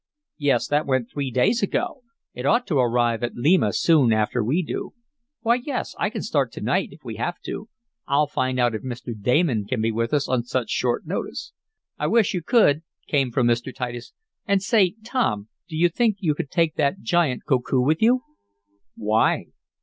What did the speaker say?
"Yes, that went three days ago. It ought to arrive at Lima soon after we do. Why yes, I can start to night if we have to. I'll find out if Mr. Damon can be with us on such short notice." "I wish you would," came from Mr. Titus. "And say, Tom, do you think you could take that giant Koku with you?" "Why?"